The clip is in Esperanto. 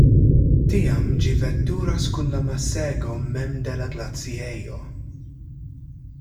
Tiam ĝi veturas kun la masego mem de la glaciejo.